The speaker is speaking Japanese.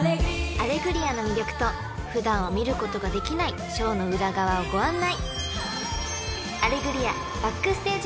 ［『アレグリア』の魅力と普段は見ることができないショーの裏側をご案内！］